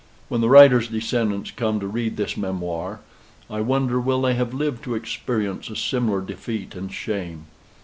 When the writer's descendants come to read this memoir, I wonder will they have lived to experience a similar defeat and shame?